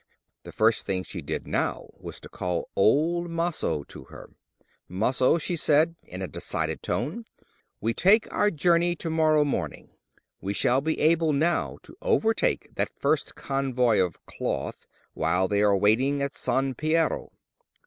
The first thing she did now was to call old Maso to her. "Maso," she said, in a decided tone, "we take our journey to morrow morning. We shall be able now to overtake that first convoy of cloth, while they are waiting at San Piero.